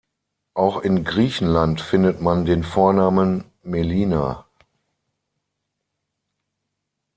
Auch in Griechenland findet man den Vornamen Melina.